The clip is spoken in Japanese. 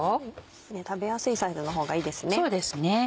食べやすいサイズの方がいいですね。